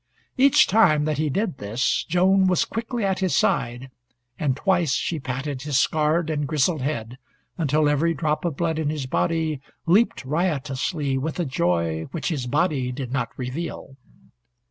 Each time that he did this Joan was quickly at his side, and twice she patted his scarred and grizzled head until every drop of blood in his body leaped riotously with a joy which his body did not reveal.